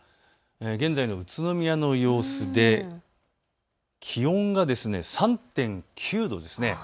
現在の宇都宮の様子で気温が３．９度です。